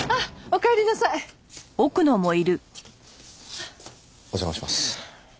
お邪魔します。